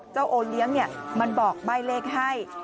เจ้าโอเลี้ยงเนี่ยมันบอกใบเลขให้